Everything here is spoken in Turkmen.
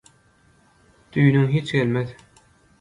Düýnüň hiç gelmez."